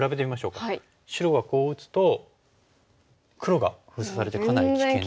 白がこう打つと黒が封鎖されてかなり危険ですよね。